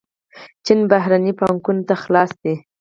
چین بهرنۍ پانګونې ته خلاص دی.